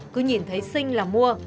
cứ nhìn thấy xinh là mua